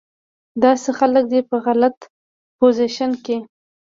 داسې خلک دې پۀ غلط پوزيشن کښې